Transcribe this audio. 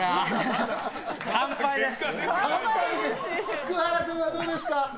福原くんはどうですか？